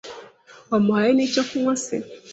wamuhaye n'icyo kunywa se